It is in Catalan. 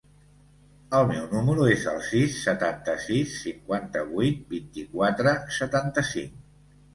El meu número es el sis, setanta-sis, cinquanta-vuit, vint-i-quatre, setanta-cinc.